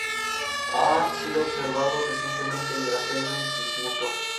Ha sido observado recientemente en grafeno y bismuto.